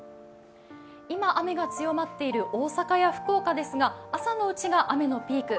今、雨が強まっている大阪や福岡ですが朝のうちが雨のピーク。